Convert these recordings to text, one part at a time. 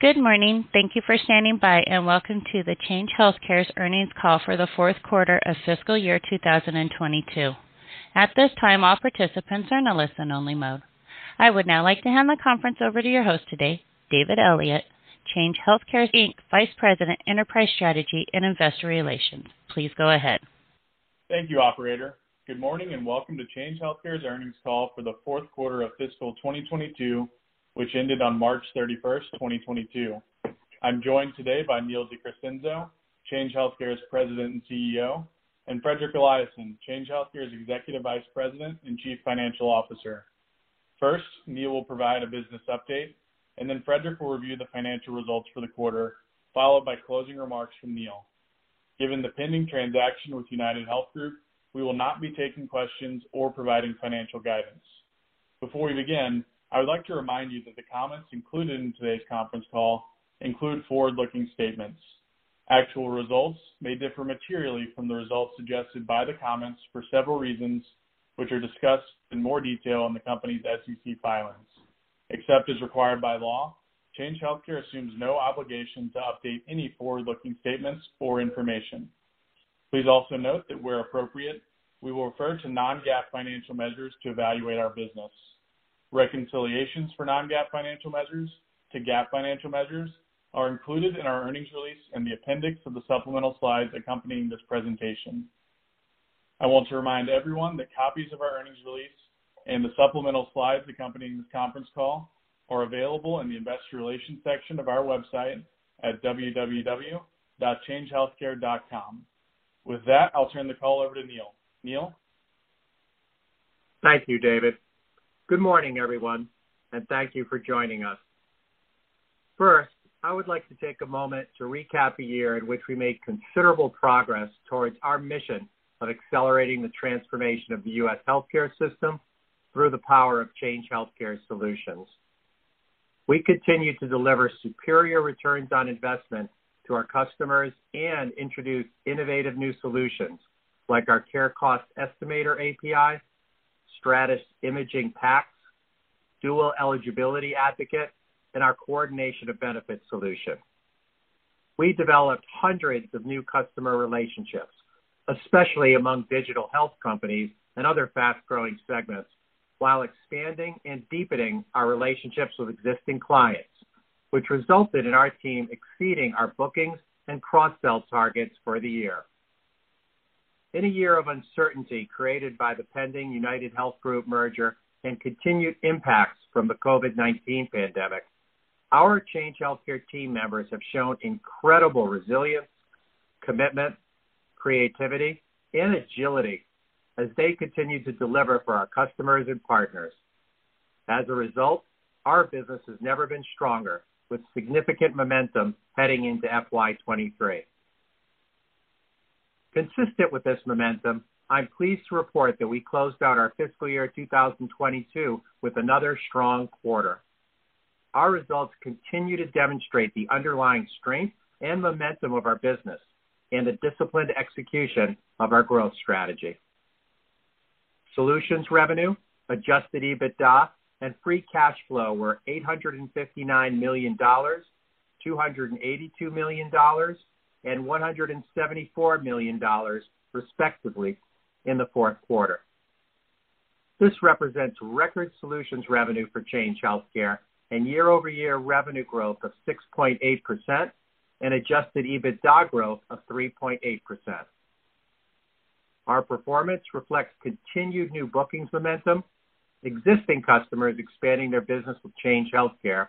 Good morning. Thank you for standing by, and welcome to Change Healthcare's earnings call for the fourth quarter of fiscal year 2022. At this time, all participants are in a listen-only mode. I would now like to hand the conference over to your host today, David Elliott, Change Healthcare Inc., Vice President, Enterprise Strategy and Investor Relations. Please go ahead. Thank you, operator. Good morning and welcome to Change Healthcare's earnings call for the fourth quarter of fiscal 2022, which ended on March 31, 2022. I'm joined today by Neil de Crescenzo, Change Healthcare's President and CEO, and Fredrik Eliasson, Change Healthcare's Executive Vice President and Chief Financial Officer. First, Neil will provide a business update, and then Fredrik will review the financial results for the quarter, followed by closing remarks from Neil. Given the pending transaction with UnitedHealth Group, we will not be taking questions or providing financial guidance. Before we begin, I would like to remind you that the comments included in today's conference call include forward-looking statements. Actual results may differ materially from the results suggested by the comments for several reasons, which are discussed in more detail in the company's SEC filings. Except as required by law, Change Healthcare assumes no obligation to update any forward-looking statements or information. Please also note that where appropriate, we will refer to non-GAAP financial measures to evaluate our business. Reconciliations for non-GAAP financial measures to GAAP financial measures are included in our earnings release in the appendix of the supplemental slides accompanying this presentation. I want to remind everyone that copies of our earnings release and the supplemental slides accompanying this conference call are available in the investor relations section of our website at www.changehealthcare.com. With that, I'll turn the call over to Neil. Neil? Thank you, David. Good morning, everyone, and thank you for joining us. First, I would like to take a moment to recap a year in which we made considerable progress towards our mission of accelerating the transformation of the U.S. healthcare system through the power of Change Healthcare solutions. We continued to deliver superior returns on investment to our customers and introduced innovative new solutions like our Care Cost Estimator API, Stratus Imaging PACS, Dual Eligibility Advocate, and our Coordination of Benefits solution. We developed hundreds of new customer relationships, especially among digital health companies and other fast-growing segments, while expanding and deepening our relationships with existing clients, which resulted in our team exceeding our bookings and cross-sell targets for the year. In a year of uncertainty created by the pending UnitedHealth Group merger and continued impacts from the COVID-19 pandemic, our Change Healthcare team members have shown incredible resilience, commitment, creativity, and agility as they continue to deliver for our customers and partners. As a result, our business has never been stronger, with significant momentum heading into FY 2023. Consistent with this momentum, I'm pleased to report that we closed out our fiscal year 2022 with another strong quarter. Our results continue to demonstrate the underlying strength and momentum of our business and the disciplined execution of our growth strategy. Solutions revenue, Adjusted EBITDA, and free cash flow were $859 million, $282 million, and $174 million, respectively, in the fourth quarter. This represents record solutions revenue for Change Healthcare and year-over-year revenue growth of 6.8% and Adjusted EBITDA growth of 3.8%. Our performance reflects continued new bookings momentum, existing customers expanding their business with Change Healthcare,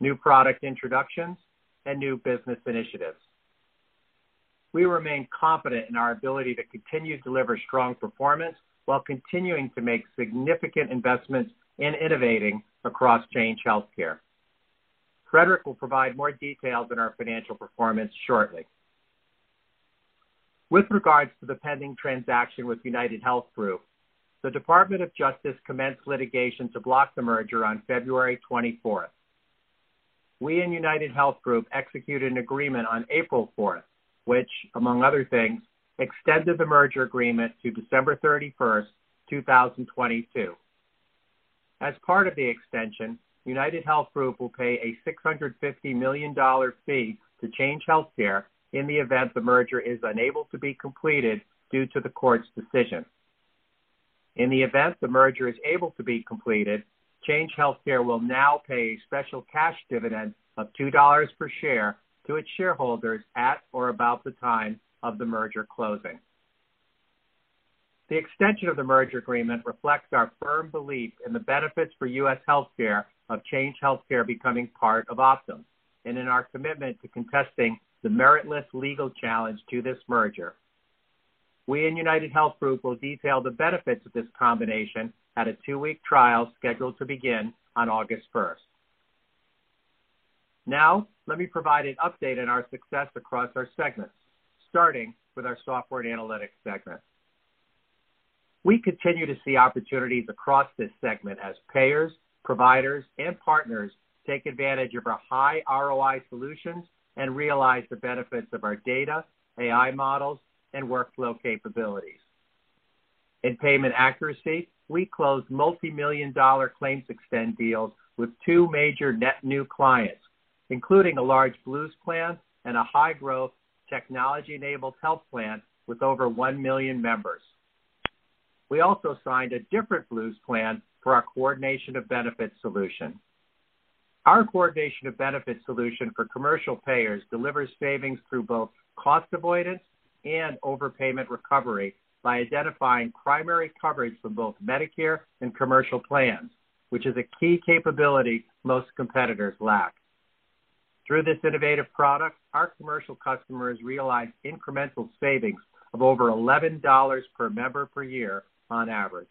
new product introductions, and new business initiatives. We remain confident in our ability to continue to deliver strong performance while continuing to make significant investments in innovating across Change Healthcare. Fredrik will provide more details on our financial performance shortly. With regards to the pending transaction with UnitedHealth Group, the Department of Justice commenced litigation to block the merger on February twenty-fourth. We and UnitedHealth Group executed an agreement on April fourth, which, among other things, extended the merger agreement to December thirty-first, 2022. As part of the extension, UnitedHealth Group will pay a $650 million fee to Change Healthcare in the event the merger is unable to be completed due to the court's decision. In the event the merger is able to be completed, Change Healthcare will now pay a special cash dividend of $2 per share to its shareholders at or about the time of the merger closing. The extension of the merger agreement reflects our firm belief in the benefits for U.S. healthcare of Change Healthcare becoming part of Optum, and in our commitment to contesting the meritless legal challenge to this merger. UnitedHealth Group and we will detail the benefits of this combination at a two-week trial scheduled to begin on August first. Now, let me provide an update on our success across our segments, starting with our software and analytics segment. We continue to see opportunities across this segment as payers, providers, and partners take advantage of our high ROI solutions and realize the benefits of our data, AI models, and workflow capabilities. In payment accuracy, we closed $multi-million-dollar ClaimsXten deals with two major net new clients, including a large Blues plan and a high growth technology-enabled health plan with over 1 million members. We also signed a different Blues plan for our Coordination of Benefits solution. Our Coordination of Benefits solution for commercial payers delivers savings through both cost avoidance and overpayment recovery by identifying primary coverage for both Medicare and commercial plans, which is a key capability most competitors lack. Through this innovative product, our commercial customers realize incremental savings of over $11 per member per year on average.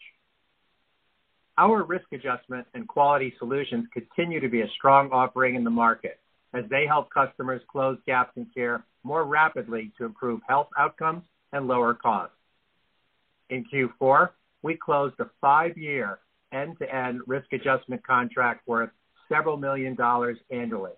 Our risk adjustment and quality solutions continue to be a strong offering in the market as they help customers close gaps in care more rapidly to improve health outcomes and lower costs. In Q4, we closed a five-year end-to-end risk adjustment contract worth $several million annually.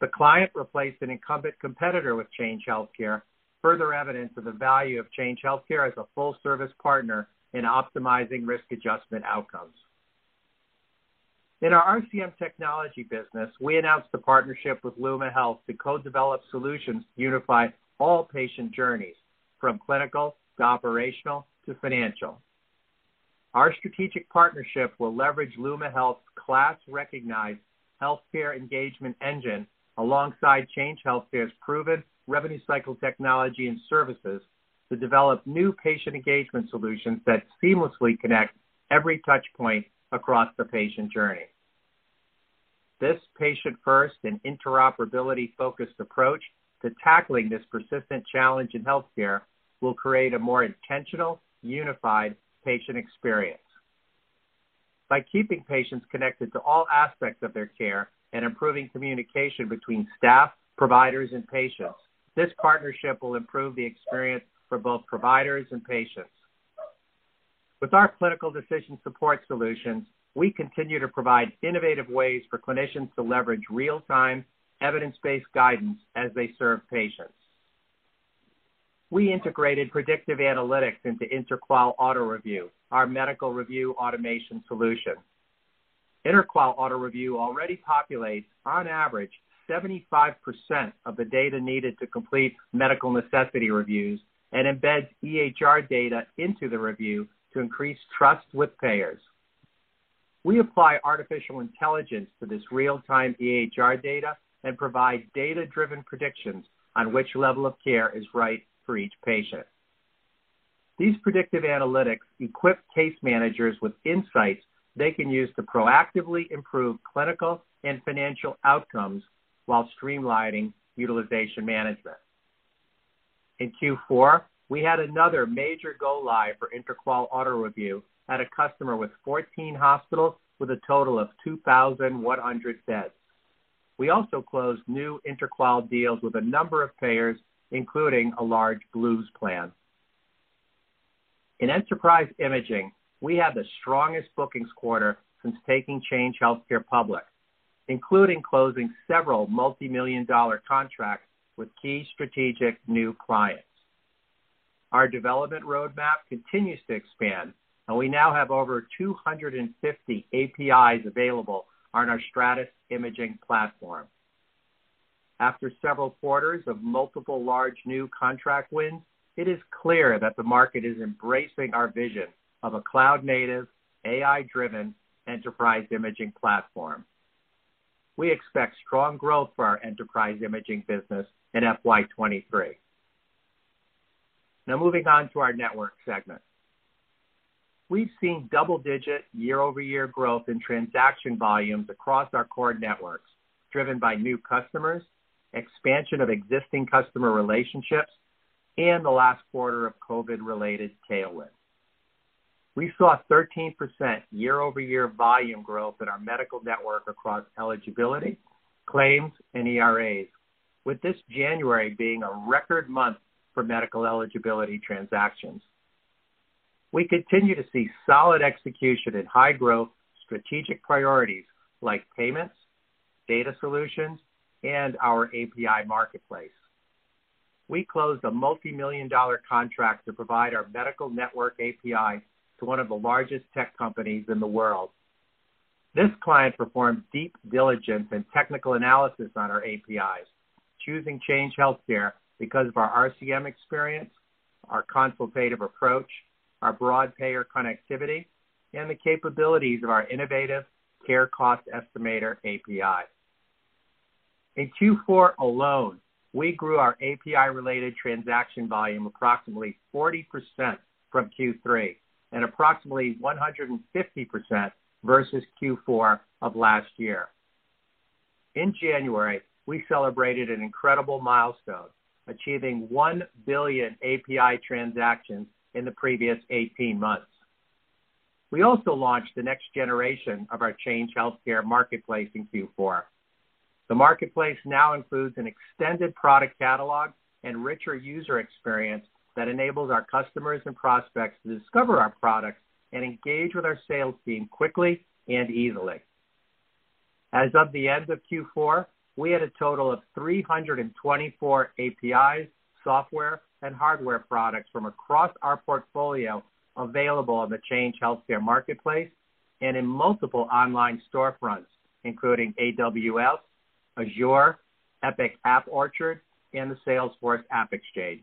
The client replaced an incumbent competitor with Change Healthcare, further evidence of the value of Change Healthcare as a full service partner in optimizing risk adjustment outcomes. In our RCM technology business, we announced a partnership with Luma Health to co-develop solutions to unify all patient journeys from clinical to operational to financial. Our strategic partnership will leverage Luma Health's class recognized healthcare engagement engine alongside Change Healthcare's proven revenue cycle technology and services to develop new patient engagement solutions that seamlessly connect every touch point across the patient journey. This patient first and interoperability focused approach to tackling this persistent challenge in healthcare will create a more intentional, unified patient experience. By keeping patients connected to all aspects of their care and improving communication between staff, providers, and patients, this partnership will improve the experience for both providers and patients. With our clinical decision support solutions, we continue to provide innovative ways for clinicians to leverage real-time, evidence-based guidance as they serve patients. We integrated predictive analytics into InterQual AutoReview, our medical review automation solution. InterQual AutoReview already populates, on average, 75% of the data needed to complete medical necessity reviews and embeds EHR data into the review to increase trust with payers. We apply artificial intelligence to this real-time EHR data and provide data-driven predictions on which level of care is right for each patient. These predictive analytics equip case managers with insights they can use to proactively improve clinical and financial outcomes while streamlining utilization management. In Q4, we had another major go live for InterQual AutoReview at a customer with 14 hospitals with a total of 2,100 beds. We also closed new InterQual deals with a number of payers, including a large Blues plan. In enterprise imaging, we had the strongest bookings quarter since taking Change Healthcare public, including closing several multimillion-dollar contracts with key strategic new clients. Our development roadmap continues to expand, and we now have over 250 APIs available on our Stratus Imaging platform. After several quarters of multiple large new contract wins, it is clear that the market is embracing our vision of a cloud native, AI-driven enterprise imaging platform. We expect strong growth for our enterprise imaging business in FY 2023. Now moving on to our network segment. We've seen double-digit year-over-year growth in transaction volumes across our core networks, driven by new customers, expansion of existing customer relationships, and the last quarter of COVID-related tailwind. We saw a 13% year-over-year volume growth in our medical network across eligibility, claims, and ERAs, with this January being a record month for medical eligibility transactions. We continue to see solid execution in high-growth strategic priorities like payments, data solutions, and our API marketplace. We closed a multimillion-dollar contract to provide our medical network API to one of the largest tech companies in the world. This client performed deep diligence and technical analysis on our APIs, choosing Change Healthcare because of our RCM experience, our consultative approach, our broad payer connectivity, and the capabilities of our innovative Care Cost Estimator API. In Q4 alone, we grew our API-related transaction volume approximately 40% from Q3, and approximately 150% versus Q4 of last year. In January, we celebrated an incredible milestone, achieving 1 billion API transactions in the previous eighteen months. We also launched the next generation of our Change Healthcare marketplace in Q4. The marketplace now includes an extended product catalog and richer user experience that enables our customers and prospects to discover our products and engage with our sales team quickly and easily. As of the end of Q4, we had a total of 324 APIs, software, and hardware products from across our portfolio available on the Change Healthcare marketplace and in multiple online storefronts, including AWS, Azure, Epic App Orchard, and the Salesforce AppExchange.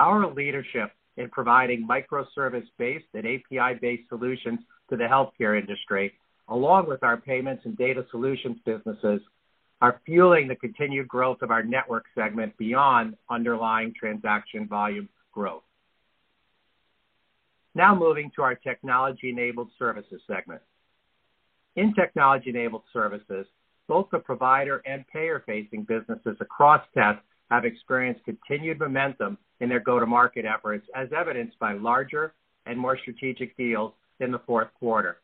Our leadership in providing microservice-based and API-based solutions to the healthcare industry, along with our payments and data solutions businesses, are fueling the continued growth of our network segment beyond underlying transaction volume growth. Now moving to our technology-enabled services segment. In technology-enabled services, both the provider and payer facing businesses across TES have experienced continued momentum in their go-to-market efforts, as evidenced by larger and more strategic deals in the fourth quarter.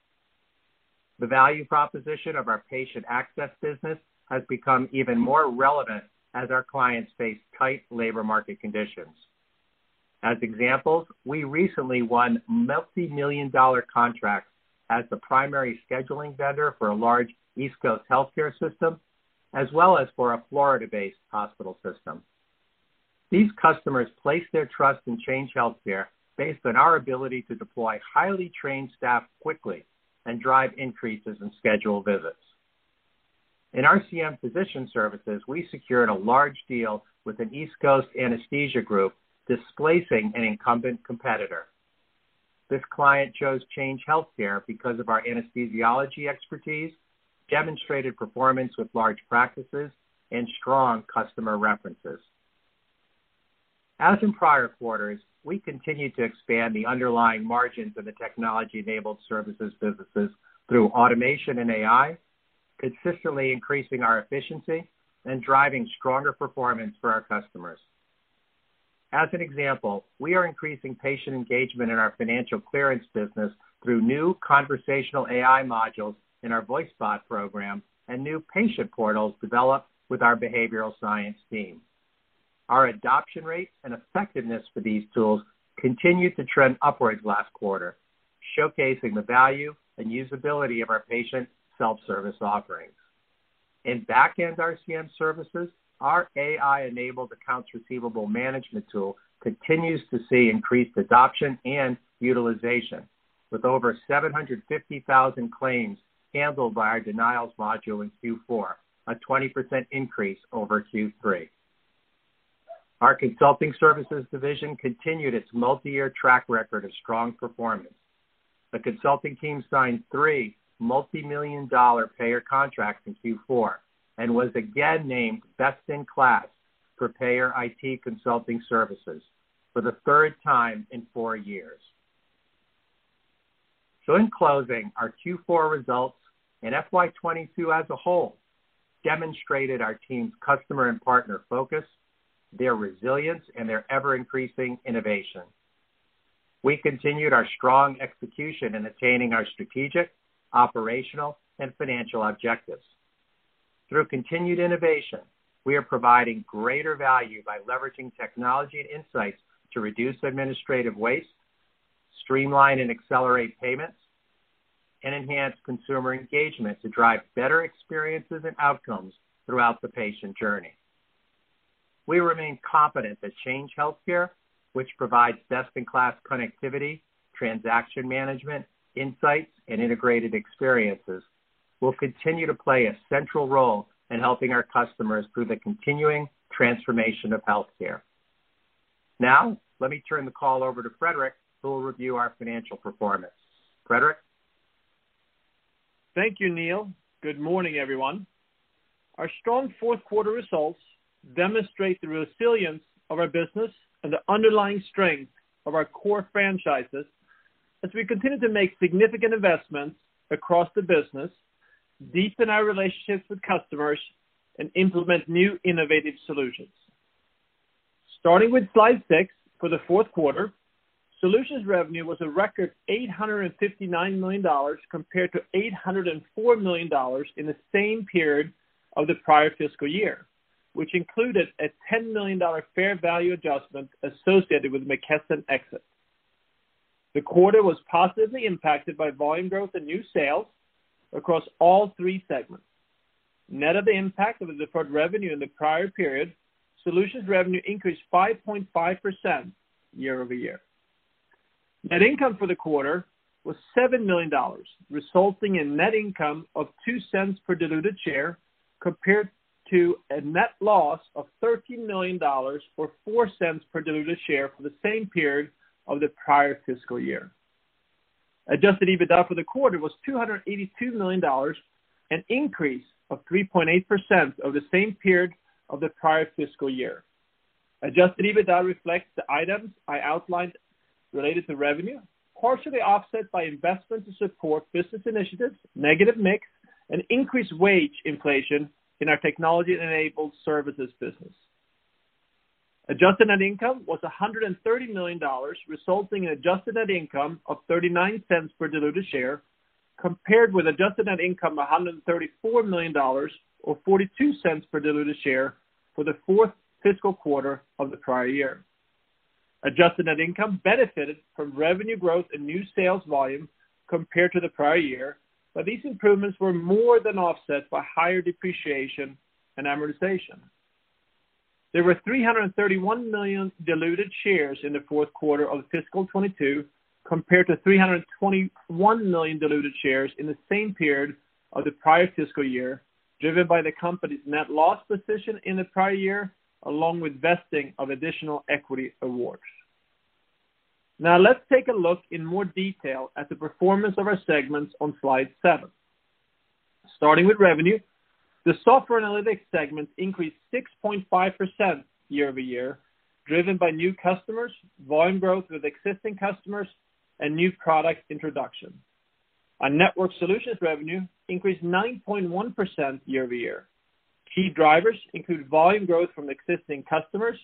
The value proposition of our patient access business has become even more relevant as our clients face tight labor market conditions. As examples, we recently won multimillion-dollar contracts as the primary scheduling vendor for a large East Coast healthcare system, as well as for a Florida-based hospital system. These customers place their trust in Change Healthcare based on our ability to deploy highly trained staff quickly and drive increases in scheduled visits. In RCM physician services, we secured a large deal with an East Coast anesthesia group, displacing an incumbent competitor. This client chose Change Healthcare because of our anesthesiology expertise, demonstrated performance with large practices, and strong customer references. As in prior quarters, we continue to expand the underlying margins of the technology-enabled services businesses through automation and AI, consistently increasing our efficiency and driving stronger performance for our customers. As an example, we are increasing patient engagement in our financial clearance business through new conversational AI modules in our VoiceBot program and new patient portals developed with our behavioral science team. Our adoption rate and effectiveness for these tools continued to trend upwards last quarter, showcasing the value and usability of our patient self-service offerings. In back-end RCM services, our AI-enabled accounts receivable management tool continues to see increased adoption and utilization, with over 750,000 claims handled by our denials module in Q4, a 20% increase over Q3. Our consulting services division continued its multi-year track record of strong performance. The consulting team signed three multi-million-dollar payer contracts in Q4 and was again named best in class for payer IT consulting services for the third time in four years. In closing, our Q4 results and FY 2022 as a whole demonstrated our team's customer and partner focus, their resilience, and their ever-increasing innovation. We continued our strong execution in attaining our strategic, operational, and financial objectives. Through continued innovation, we are providing greater value by leveraging technology and insights to reduce administrative waste, streamline and accelerate payments, and enhance consumer engagement to drive better experiences and outcomes throughout the patient journey. We remain confident that Change Healthcare, which provides best-in-class connectivity, transaction management, insights, and integrated experiences, will continue to play a central role in helping our customers through the continuing transformation of healthcare. Now, let me turn the call over to Fredrik, who will review our financial performance. Fredrik? Thank you, Neil. Good morning, everyone. Our strong fourth quarter results demonstrate the resilience of our business and the underlying strength of our core franchises as we continue to make significant investments across the business, deepen our relationships with customers, and implement new innovative solutions. Starting with slide six, for the fourth quarter, solutions revenue was a record $859 million compared to $804 million in the same period of the prior fiscal year, which included a $10 million fair value adjustment associated with McKesson's the exit. The quarter was positively impacted by volume growth and new sales across all three segments. Net of the impact of the deferred revenue in the prior period, solutions revenue increased 5.5% year-over-year. Net income for the quarter was $7 million, resulting in net income of $0.02 per diluted share, compared to a net loss of $13 million or $0.04 per diluted share for the same period of the prior fiscal year. Adjusted EBITDA for the quarter was $282 million, an increase of 3.8% over the same period of the prior fiscal year. Adjusted EBITDA reflects the items I outlined related to revenue, partially offset by investment to support business initiatives, negative mix, and increased wage inflation in our technology-enabled services business. Adjusted net income was $130 million, resulting in adjusted net income of $0.39 per diluted share, compared with adjusted net income of $134 million, or $0.42 per diluted share for the fourth fiscal quarter of the prior year. Adjusted net income benefited from revenue growth and new sales volume compared to the prior year, but these improvements were more than offset by higher depreciation and amortization. There were 331 million diluted shares in the fourth quarter of fiscal 2022 compared to 321 million diluted shares in the same period of the prior fiscal year, driven by the company's net loss position in the prior year, along with vesting of additional equity awards. Now let's take a look in more detail at the performance of our segments on slide seven. Starting with revenue, the Software & Analytics segment increased 6.5% year-over-year, driven by new customers, volume growth with existing customers, and new product introduction. Our network solutions revenue increased 9.1% year-over-year. Key drivers include volume growth from existing customers,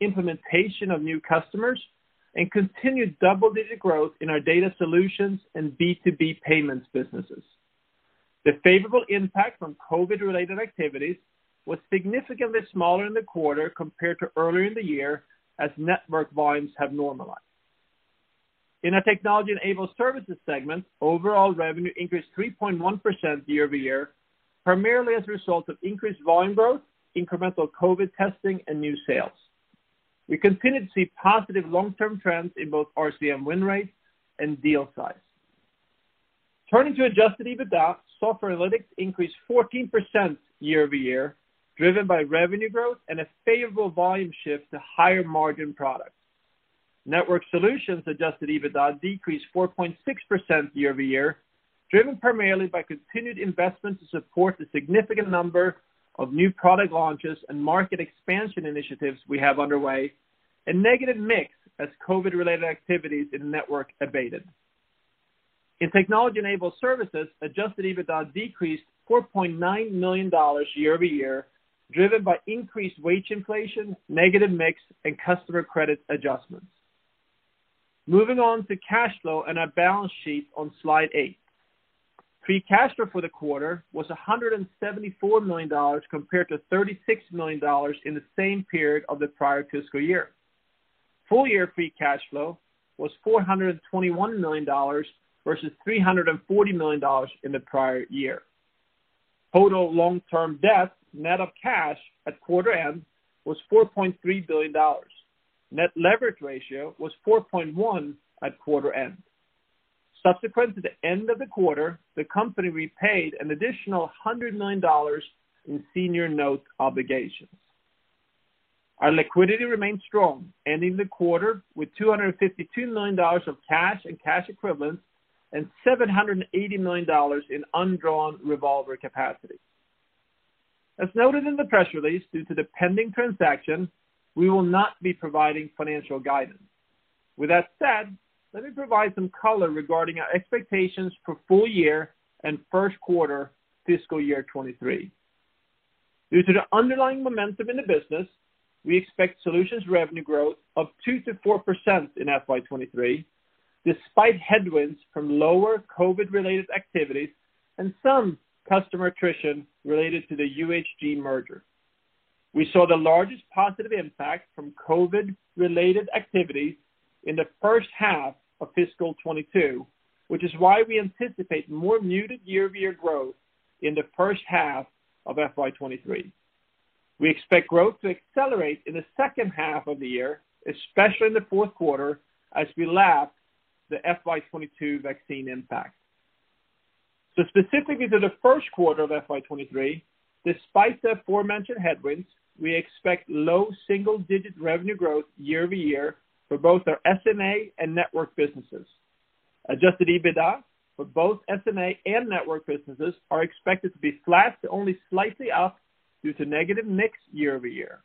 implementation of new customers, and continued double-digit growth in our data solutions and B2B payments businesses. The favorable impact from COVID-related activities was significantly smaller in the quarter compared to earlier in the year as network volumes have normalized. In our Technology-Enabled Services segment, overall revenue increased 3.1% year-over-year, primarily as a result of increased volume growth, incremental COVID testing, and new sales. We continue to see positive long-term trends in both RCM win rates and deal size. Turning to Adjusted EBITDA, Software & Analytics increased 14% year-over-year, driven by revenue growth and a favorable volume shift to higher margin products. Network Solutions Adjusted EBITDA decreased 4.6% year-over-year, driven primarily by continued investment to support the significant number of new product launches and market expansion initiatives we have underway, and negative mix as COVID-related activities in Network abated. In Technology-Enabled Services, Adjusted EBITDA decreased $4.9 million year-over-year, driven by increased wage inflation, negative mix, and customer credit adjustments. Moving on to cash flow and our balance sheet on Slide eight. Free cash flow for the quarter was $174 million compared to $36 million in the same period of the prior fiscal year. Full-year free cash flow was $421 million versus $340 million in the prior year. Total long-term debt, net of cash at quarter end, was $4.3 billion. Net leverage ratio was 4.1 at quarter end. Subsequent to the end of the quarter, the company repaid an additional $109 million in senior note obligations. Our liquidity remains strong, ending the quarter with $252 million of cash and cash equivalents and $780 million in undrawn revolver capacity. As noted in the press release, due to the pending transaction, we will not be providing financial guidance. With that said, let me provide some color regarding our expectations for full year and first quarter fiscal year 2023. Due to the underlying momentum in the business, we expect solutions revenue growth of 2%-4% in FY 2023, despite headwinds from lower COVID-related activities and some customer attrition related to the UHG merger. We saw the largest positive impact from COVID-related activities in the first half of fiscal 2022, which is why we anticipate more muted year-over-year growth in the first half of FY 2023. We expect growth to accelerate in the second half of the year, especially in the fourth quarter, as we lap the FY 2022 vaccine impact. Specifically to the first quarter of FY 2023, despite the aforementioned headwinds, we expect low single-digit revenue growth year over year for both our S&A and network businesses. Adjusted EBITDA for both S&A and network businesses are expected to be flat to only slightly up due to negative mix year over year.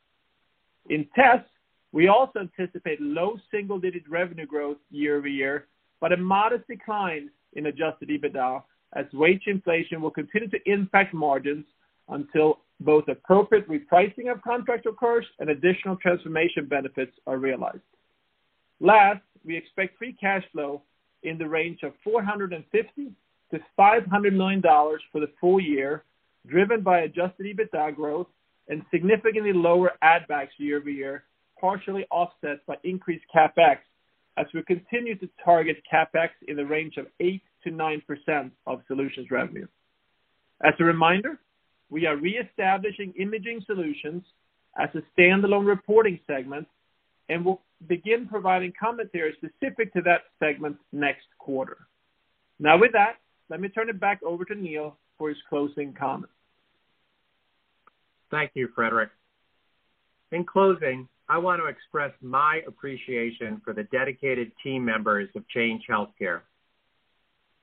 In tests, we also anticipate low single-digit revenue growth year-over-year, but a modest decline in Adjusted EBITDA as wage inflation will continue to impact margins until both appropriate repricing of contracts occurs and additional transformation benefits are realized. Last, we expect free cash flow in the range of $450-500 million for the full year, driven by Adjusted EBITDA growth and significantly lower add-backs year-over-year, partially offset by increased CapEx, as we continue to target CapEx in the range of 8%-9% of solutions revenue. As a reminder, we are reestablishing Imaging Solutions as a standalone reporting segment and will begin providing commentary specific to that segment next quarter. Now, with that, let me turn it back over to Neil for his closing comments. Thank you, Fredrik. In closing, I want to express my appreciation for the dedicated team members of Change Healthcare.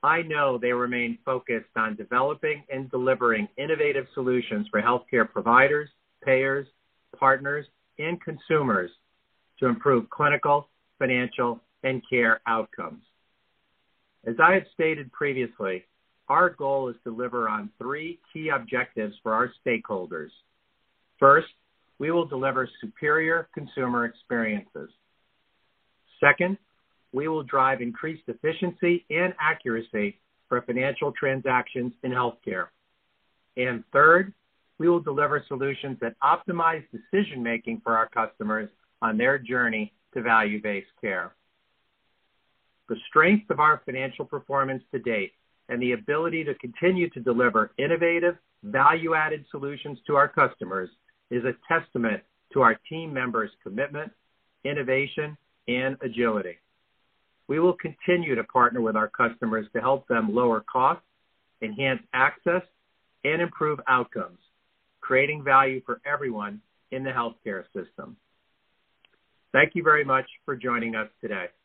I know they remain focused on developing and delivering innovative solutions for healthcare providers, payers, partners, and consumers to improve clinical, financial, and care outcomes. As I have stated previously, our goal is to deliver on three key objectives for our stakeholders. First, we will deliver superior consumer experiences. Second, we will drive increased efficiency and accuracy for financial transactions in healthcare. Third, we will deliver solutions that optimize decision making for our customers on their journey to value-based care. The strength of our financial performance to date and the ability to continue to deliver innovative, value-added solutions to our customers is a testament to our team members' commitment, innovation, and agility. We will continue to partner with our customers to help them lower costs, enhance access, and improve outcomes, creating value for everyone in the healthcare system. Thank you very much for joining us today.